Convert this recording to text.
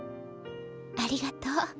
ありがとう。